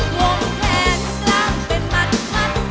วงแผนกลางเป็นมัดมัด